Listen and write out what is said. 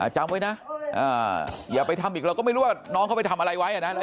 จำไว้นะอย่าไปทำอีกเราก็ไม่รู้ว่าน้องเขาไปทำอะไรไว้นะ